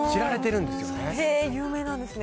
へー、有名なんですね。